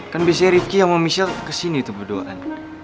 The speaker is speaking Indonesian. kan biasanya rifqi sama michelle kesini tuh berduaan